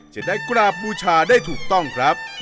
จะได้กราบบูชาได้ถูกต้องครับ